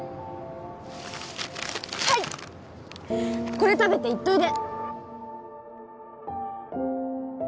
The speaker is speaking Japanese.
これ食べて行っといで！